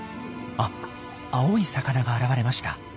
あっ青い魚が現れました。